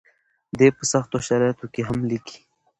دی په سختو شرایطو کې هم لیکي.